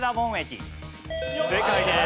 正解です。